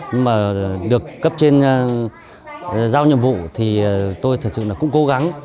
nhưng mà được cấp trên giao nhiệm vụ thì tôi thật sự là cũng cố gắng